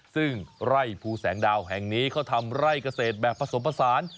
ซึ่งไร่ภูแสงดาวแห่งนี้เขาทำไร่เกษตรแบบผสมผสาน